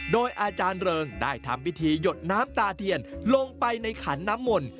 โดยอาจารย์เริงได้ทำพิธีหยดน้ำตาเทียนลงไปในขันน้ำมนต์